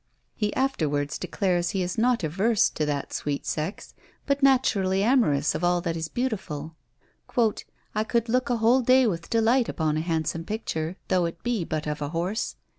He afterwards declares he is not averse to that sweet sex, but naturally amorous of all that is beautiful: "I could look a whole day with delight upon a handsome picture, though it be but of a horse."